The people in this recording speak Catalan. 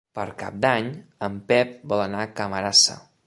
Per Cap d'Any en Pep vol anar a Camarasa.